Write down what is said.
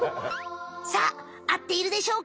さああっているでしょうか？